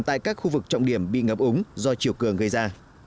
tại các khu vực trọng điểm bị ngập úng do chiều cường gây ra